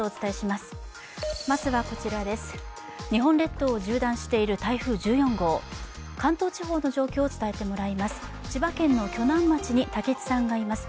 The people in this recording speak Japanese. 日本列島を縦断している台風１４号関東地方の状況を伝えてもらいます。